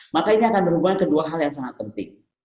maka ini akan berubah ke dua hal yang sangat penting